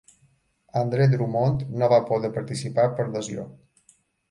Andre Drummond no va poder participar per lesió.